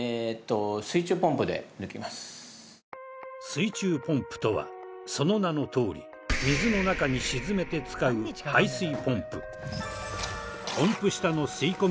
水中ポンプとはその名のとおり水の中に沈めて使う排水ポンプ。